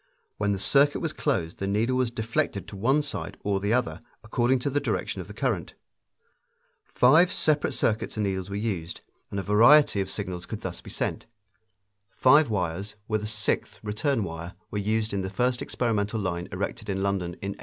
When the circuit was closed the needle was deflected to one side or the other, according to the direction of the current. Five separate circuits and needles were used, and a variety of signals could thus be sent. Five wires, with a sixth return wire, were used in the first experimental line erected in London in 1837.